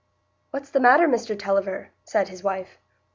"What's the matter, Mr Tulliver?" said his wife.